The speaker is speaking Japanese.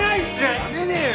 辞めねえよ！